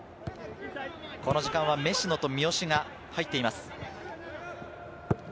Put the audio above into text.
この時間は食野と三好が入っています。